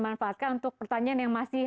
manfaatkan untuk pertanyaan yang masih